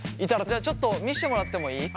じゃあちょっと見してもらってもいい？